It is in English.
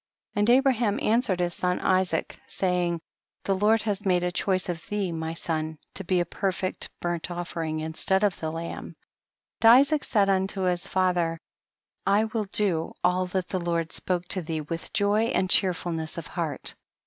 5L And Abraham answered his son Isaac, saying, the Lord has made choice of thee my son, to be a perfect burnt offering instead of the lamb. 52. And Isaac said unto his fath er, I will do all that the Lord spoke THE BOOK OF JASHER. 67 to thee with joy and checrfuhiess of heart. 53.